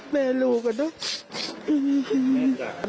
แม่ลูกอะเนาะ